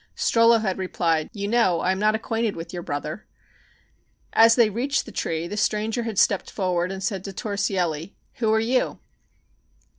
Strollo had replied: "You know I am not acquainted with your brother." As they reached the tree the stranger had stepped forward and said to Torsielli: "Who are you?"